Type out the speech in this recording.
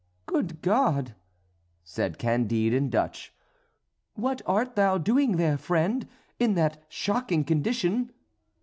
"Good God!" said Candide in Dutch, "what art thou doing there, friend, in that shocking condition?"